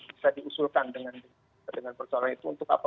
bisa diusulkan dengan persoalan itu untuk apa